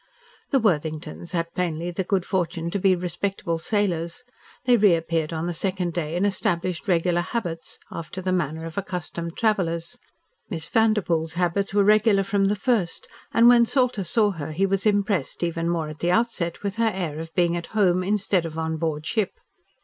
The Worthingtons had plainly the good fortune to be respectable sailors. They reappeared on the second day and established regular habits, after the manner of accustomed travellers. Miss Vanderpoel's habits were regular from the first, and when Salter saw her he was impressed even more at the outset with her air of being at home instead of on board ship.